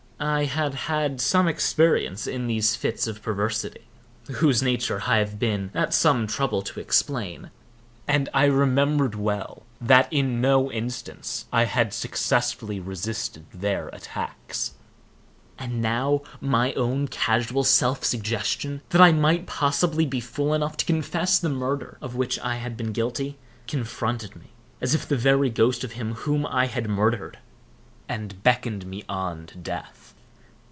I had had some experience in these fits of perversity (whose nature I have been at some trouble to explain), and I remembered well that in no instance I had successfully resisted their attacks. And now my own casual self suggestion that I might possibly be fool enough to confess the murder of which I had been guilty, confronted me, as if the very ghost of him whom I had murdered—and beckoned me on to death.